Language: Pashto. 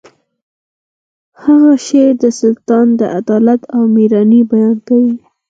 د هغه شعر د سلطان د عدالت او میړانې بیان کوي